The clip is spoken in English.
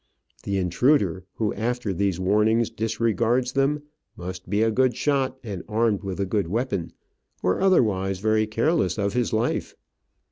The intruder who, after these warnings, disregards them, must be a good shot and armed with a good weapon, or otherwise very careless of his life.